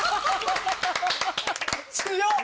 強っ！